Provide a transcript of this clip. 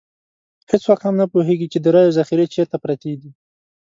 هېڅوک هم نه پوهېږي چې د رایو ذخیرې چېرته پرتې دي.